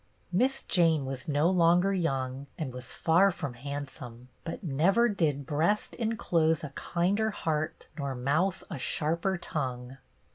Miss Jane was no longer young and was far from handsome, but never did breast enclose a kinder heart nor mouth a sharper tongue.